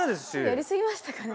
やりすぎましたかね？